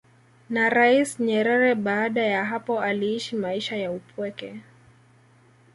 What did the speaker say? na Rais Nyerere baada ya hapo aliishi maisha ya upweke